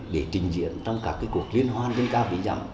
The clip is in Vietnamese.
để trình diễn trong các cuộc liên hoan dân ca ví dặm